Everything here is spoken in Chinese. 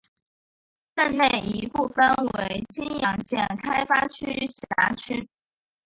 镇内一部分为青阳县开发区辖区。